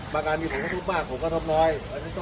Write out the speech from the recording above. มาการมีโรคธุปรักโธมน้อยแต่เถอะ